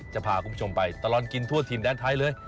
จะพาคุณผู้ชมไปตลอดกินทั่วถิ่นแดนไทยเลย